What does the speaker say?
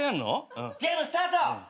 ゲームスタート！